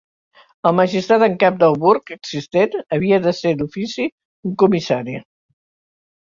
El magistrat en cap del burg existent havia de ser, "d'ofici", un comissari.